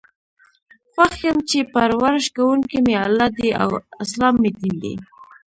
خوښ یم چې پر ورش کوونکی می الله دی او اسلام می دین دی.